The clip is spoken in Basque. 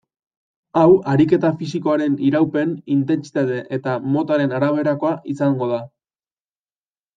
Hau ariketa fisikoaren iraupen, intentsitate eta motaren araberakoa izango da.